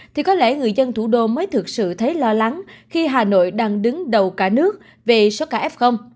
thì có lẽ người dân thủ đô mới thực sự thấy lo lắng khi hà nội đang đứng đầu cả nước về số ca f